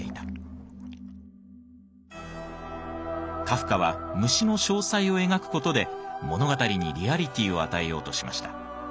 カフカは虫の詳細を描く事で物語にリアリティーを与えようとしました。